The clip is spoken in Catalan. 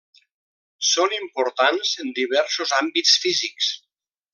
Són importants en diversos àmbits físics.